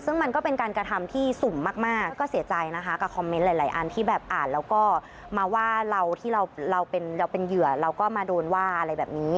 ซึ่งมันก็เป็นการกระทำที่สุ่มมากก็เสียใจนะคะกับคอมเมนต์หลายอันที่แบบอ่านแล้วก็มาว่าเราที่เราเป็นเหยื่อเราก็มาโดนว่าอะไรแบบนี้